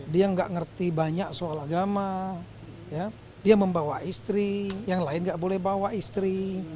dia tidak mengerti banyak soal agama dia membawa istri yang lain tidak boleh membawa istri